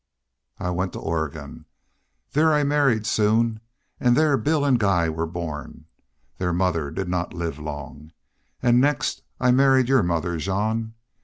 "I went to Oregon. There I married soon, an' there Bill an' Guy were born. Their mother did not live long. An' next I married your mother, Jean.